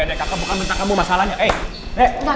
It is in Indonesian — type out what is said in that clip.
eh kakak bukan bentak kamu masalahnya eh